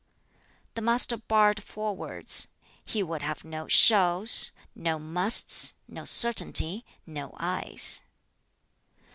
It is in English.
The Master barred four words: he would have no "shall's," no "must's," no "certainty's," no "I's."